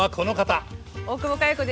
大久保佳代子です。